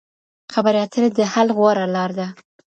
خبرې اترې د حل غوره لار ده.